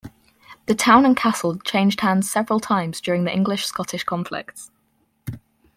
The town and castle changed hands several times during the English-Scottish conflicts.